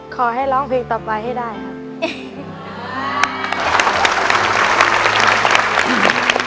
ขอให้ร้องเพลงต่อไปให้ได้ครับ